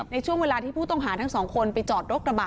ในช่วงเวลาที่ผู้ต้องหาทั้งสองคนไปจอดรถกระบะ